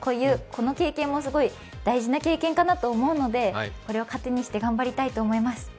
この経験も大事な経験かなと思うのでこれを糧にして頑張りたいと思います。